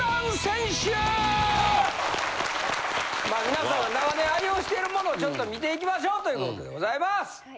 皆さんが長年愛用している物をちょっと見ていきましょうということでございます！